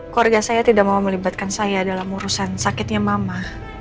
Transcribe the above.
keluarga saya tidak mau melibatkan saya dalam urusan sakitnya mama